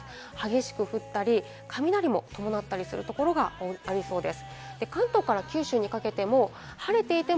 激しく降ったり雷も伴ったりするところがありそうです。